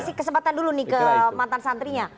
kasih kesempatan dulu nih ke mantan santrinya